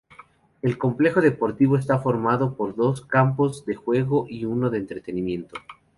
El complejo deportivo está formado por dos campos de juego y uno de entrenamiento.